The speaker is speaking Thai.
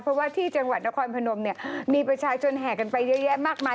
เพราะว่าที่จังหวัดนครพนมเนี่ยมีประชาชนแห่กันไปเยอะแยะมากมาย